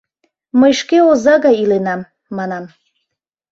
Мый шке оза гай иленам, манам.